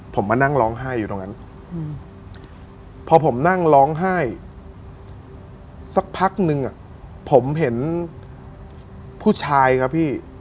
ผมมานั่งร้องไห้อยู่ตรงนั้นพอผมนั่งร้องไห้สักพักนึงผมเห็นผู้ชายครับพี่